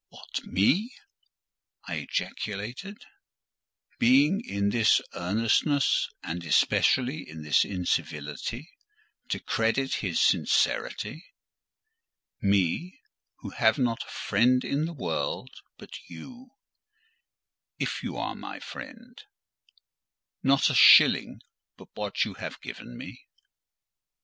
"What, me!" I ejaculated, beginning in his earnestness—and especially in his incivility—to credit his sincerity: "me who have not a friend in the world but you—if you are my friend: not a shilling but what you have given me?"